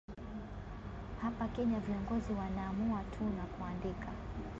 Hapa Kenya viongozi wanaamua tu na kuandika